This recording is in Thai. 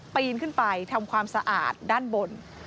ปีนขึ้นไปทำความสะอาดด้านบน